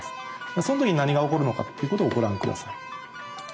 その時に何が起こるのかっていうことをご覧下さい。